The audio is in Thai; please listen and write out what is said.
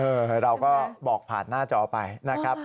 เราก็บอกผ่านหน้าจอไปนะครับ